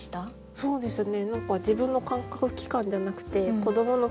そうですよね。